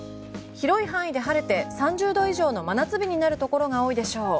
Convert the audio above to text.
広い範囲で晴れて３０度以上の真夏日になるところが多いでしょう。